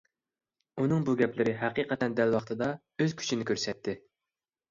ئۇنىڭ بۇ گەپلىرى ھەقىقەتەن دەل ۋاقتىدا ئۆز كۈچىنى كۆرسىتەتتى.